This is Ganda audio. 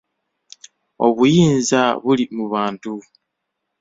Obuyinza buli mu bantu.